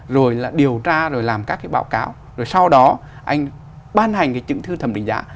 rồi là điều tra rồi làm các cái báo cáo rồi sau đó anh ban hành cái chứng thư thẩm định giá